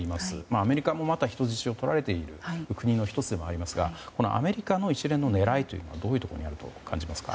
アメリカもまた人質をとられている国の１つですがアメリカの一連の狙いとはどういうところにあると思いますか。